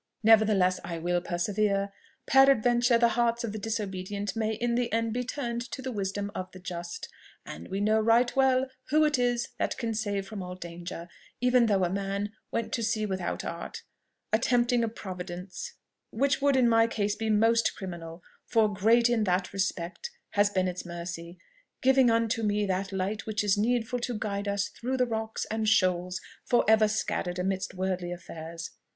Nevertheless I will persevere. Peradventure the hearts of the disobedient may in the end be turned to the wisdom of the just; and we know right well who it is that can save from all danger, even though a man, went to sea without art; a tempting of Providence which would in my case be most criminal, for great in that respect has been its mercy, giving unto me that light which is needful to guide us through the rocks and shoals for ever scattered amidst worldly affairs.